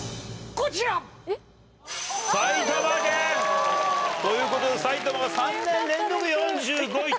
あよかった！ということで埼玉が３年連続４５位と。